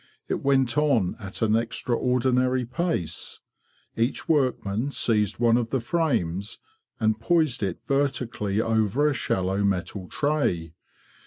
It went on at an extraordinary pace. Each workman seized one of the frames and poised it verti cally over a shallow metal tray.